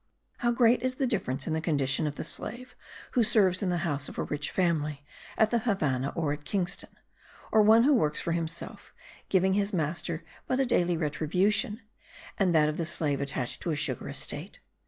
How great is the difference in the condition of the slave who serves in the house of a rich family at the Havannah or at Kingston, or one who works for himself, giving his master but a daily retribution, and that of the slave attached to a sugar estate!